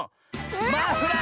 マフラー！